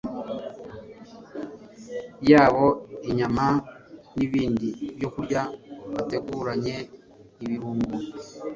yabo inyama nibindi byokurya bateguranye ibirungo